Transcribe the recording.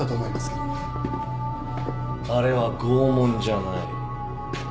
あれは拷問じゃない。